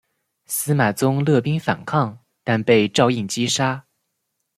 司马宗勒兵反抗但被赵胤击杀。